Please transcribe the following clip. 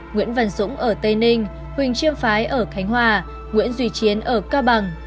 nguyễn văn dũng ở tây ninh huỳnh chiêm phái ở khánh hòa nguyễn duy chiến ở cao bằng